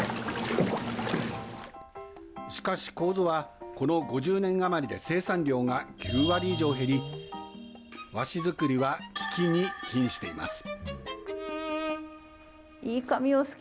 しかしコウゾは、この５０年余りで生産量が９割以上減り、和紙作りは、危機にひんしています。